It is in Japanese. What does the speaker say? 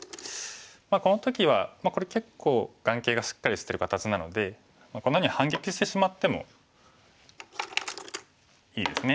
この時はこれ結構眼形がしっかりしてる形なのでこんなふうに反撃してしまってもいいですね。